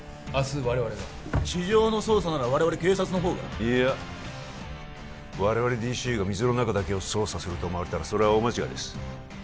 明日我々が地上の捜査なら我々警察のほうがいや我々ＤＣＵが水の中だけを捜査すると思われたらそれは大間違いです